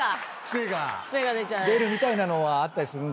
出るみたいなのはあったりする？